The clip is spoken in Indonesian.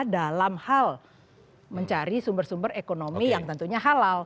dalam hal mencari sumber sumber ekonomi yang tentunya halal